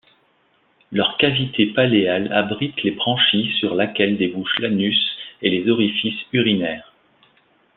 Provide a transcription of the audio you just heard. Leur cavité palléale abrite les branchies sur laquelle débouche l'anus et les orifices urinaires.